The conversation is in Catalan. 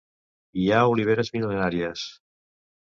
Hi ha oliveres mil·lenàries.